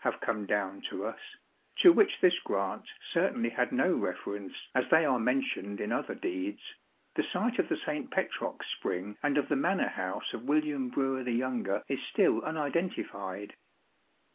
have come down to us, to which this grant certainly had no reference as they are mentioned in other deeds, the site of the St. Petrox spring and of the manor house of William Brewer the younger is still unidentified.